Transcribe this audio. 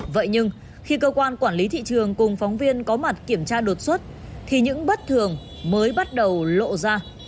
vậy nhưng khi cơ quan quản lý thị trường cùng phóng viên có mặt kiểm tra đột xuất thì những bất thường mới bắt đầu lộ ra